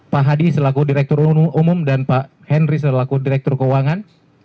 pak hadi selaku direktur umum dan pak henry selaku direktur keuangan